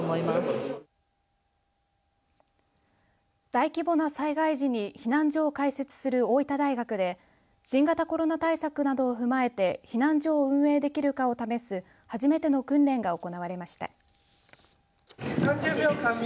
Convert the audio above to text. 大規模な災害時に避難所を開設する大分大学で新型コロナ対策などを踏まえて避難所を運営できるかを試す初めての訓練が行われました。